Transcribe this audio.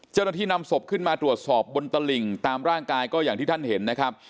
เจ้าหน้าที่นำศพขึ้นมาตรวจสอบบนตลิ่งตามร่างกายก็อย่างที่ท่านเห็นนะครับ